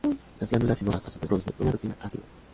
Las glándulas sinuosas, a su vez, producen una toxina ácida.